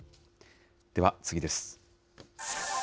では次です。